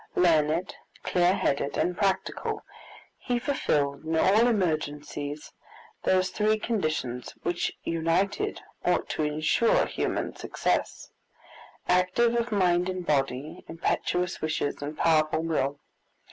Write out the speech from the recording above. Learned, clear headed, and practical, he fulfilled in all emergencies those three conditions which united ought to insure human success activity of mind and body, impetuous wishes, and powerful will.